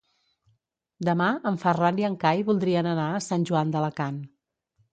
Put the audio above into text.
Demà en Ferran i en Cai voldrien anar a Sant Joan d'Alacant.